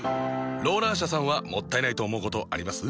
ローラー車さんはもったいないと思うことあります？